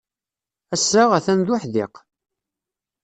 Ass-a, atan d uḥdiq.